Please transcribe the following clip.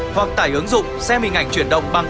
hoặc tải ứng dụng xem hình ảnh chuyển động bằng